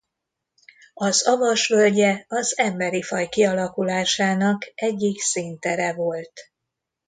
Az Avas völgye az emberi faj kialakulásának egyik színtere volt.